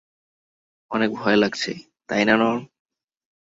অনেক ভয় লাগছে, তাই না নর্ম?